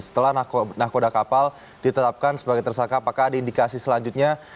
setelah nahkoda kapal ditetapkan sebagai tersangka apakah ada indikasi selanjutnya